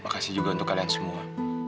makasih juga untuk kalian semua